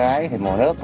ái thì mùa nước